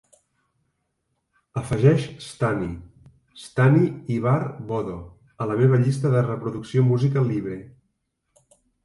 Afegeix Stani, stani Ibar vodo a la meva llista de reproducció música libre